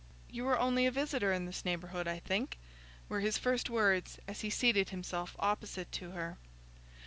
"You are only a visitor in this neighbourhood, I think?" were his first words, as he seated himself opposite to her.